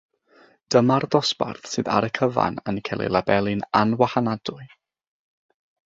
Dyma'r dosbarth sydd ar y cyfan yn cael ei labelu'n anwahanadwy.